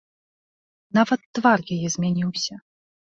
Нават твар яе змяніўся.